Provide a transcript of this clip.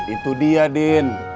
itu dia din